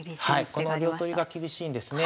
この両取りが厳しいんですね。